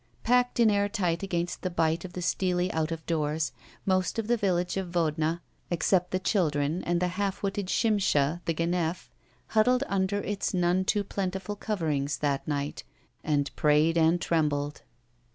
Packai in airtight against the bite of the steely out of doors, most of the village of Vodna — except the children and the half witted Shimsha, the ganef — ^huddled under its none too plentiful coverings that night and prayed and trembled.